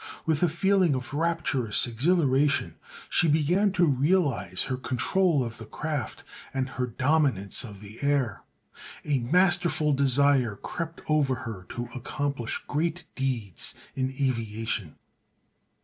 With a feeling of rapturous exhilaration she began to realize her control of the craft and her dominance of the air. A masterful desire crept over her to accomplish great deeds in aviation.